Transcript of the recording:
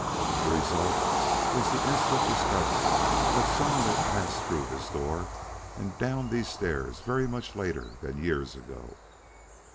The result was the instant discovery that some one had passed through this door and down these stairs very much later than years ago.